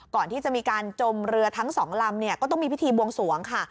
ก่อนที่จะมีการจมเรือทั้งสองลำเนี่ยก็ต้องมีพิธีบวงสวงค่ะ